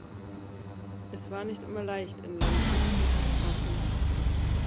Es war nicht immer leicht, in Landshut Fuß zu fassen.